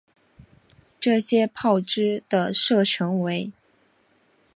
这些炮支的射程为。